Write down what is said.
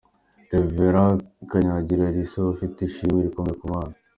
Rev Kanyangira Elisa ufite ishimwe rikomeye ku Mana.